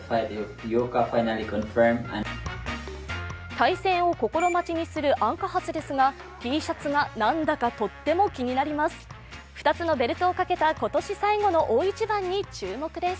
対戦を心待ちにするアンカハスですがＴシャツが何だかとっても気になります。